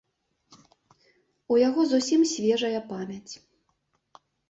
У яго зусім свежая памяць.